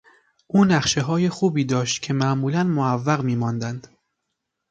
او نقشههای خوبی داشت که معمولا معوق میماندند.